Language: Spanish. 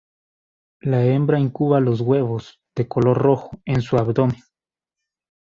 La hembra incuba los huevos, de color rojo, en su abdomen.